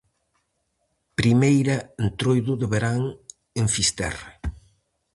Primeira Entroido de verán en Fisterra.